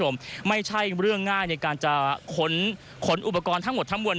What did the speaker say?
ไม่ใช่เรื่องง่ายในการจะขนขนอุปกรณ์ทั้งหมดทั้งมวล